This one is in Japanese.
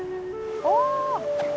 お！